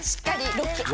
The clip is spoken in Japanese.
ロック！